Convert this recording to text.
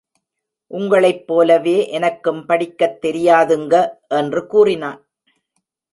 உங்களைப் போலவே எனக்கும் படிக்கத் தெரியாதுங்க என்று கூறினான்.